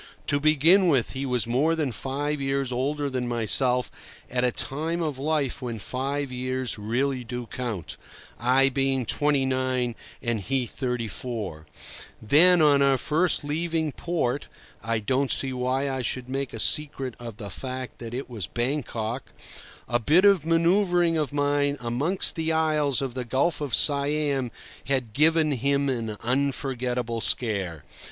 To begin with, he was more than five years older than myself at a time of life when five years really do count, I being twenty nine and he thirty four; then, on our first leaving port (I don't see why I should make a secret of the fact that it was Bangkok), a bit of manoeuvring of mine amongst the islands of the Gulf of Siam had given him an unforgettable scare.